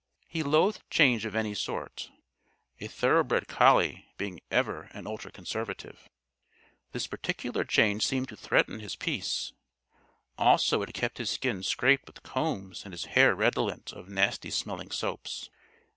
He loathed change of any sort a thoroughbred collie being ever an ultra conservative. This particular change seemed to threaten his peace; also it kept his skin scraped with combs and his hair redolent of nasty smelling soaps.